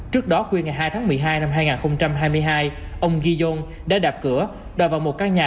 trước đó khuya ngày hai tháng một mươi hai năm hai nghìn hai mươi hai ông giyon đã đạp cửa đòi vào một căn nhà